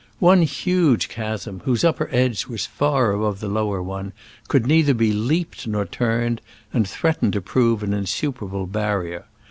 ... One huge chasm, whose upper edge was far above the lower one, could neither be leaped nor turned, and threatened to prove an insuperable barrier.